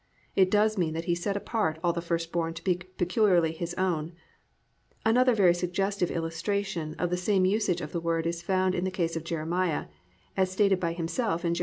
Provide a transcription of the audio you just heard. It does mean that He set apart all the first born to be peculiarly His own. Another very suggestive illustration of the same usage of the word is found in the case of Jeremiah as stated by himself in Jer.